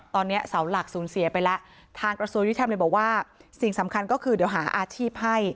ตอนนี้เสาหลักสูญเสียไปแล้วทางกระทรวงยุทธรรมเลยบอกว่าสิ่งสำคัญก็คือเดี๋ยวหาอาชีพให้